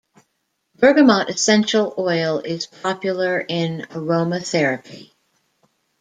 Bergamot essential oil is popular in aromatherapy.